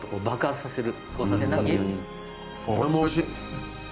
これもおいしい！